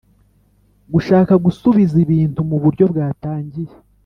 gushaka gusubiza ibintu mu buryo, bwatangiye